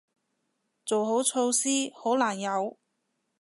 做好措施，好難有